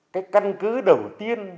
cái căn cứ đầu tiên